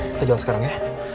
kita jalan sekarang ya